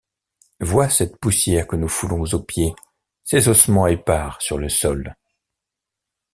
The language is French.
Vois cette poussière que nous foulons aux pieds, ces ossements épars sur le sol.